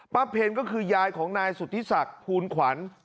เพลก็คือยายของนายสุธิศักดิ์ภูลขวัญ